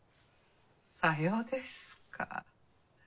さようですか。